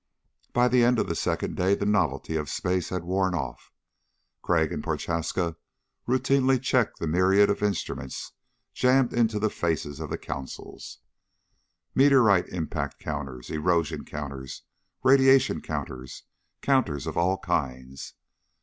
By the end of the second day the novelty of space had worn off. Crag and Prochaska routinely checked the myriad of instruments jammed into the faces of the consoles: Meteorite impact counters, erosion counters, radiation counters counters of all kinds.